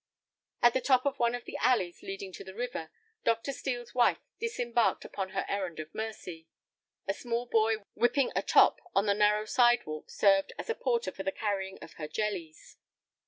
At the top of one of the alleys leading to the river, Dr. Steel's wife disembarked upon her errand of mercy. A small boy whipping a top on the narrow sidewalk served as a porter for the carrying of her jellies.